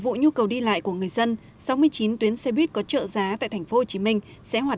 vụ nhu cầu đi lại của người dân sáu mươi chín tuyến xe buýt có trợ giá tại thành phố hồ chí minh sẽ hoạt